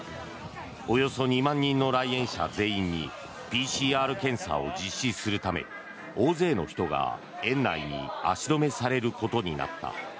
およそ２万人の来園者全員にＰＣＲ検査を実施するため大勢の人が園内に足止めされることになった。